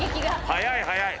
早い早い。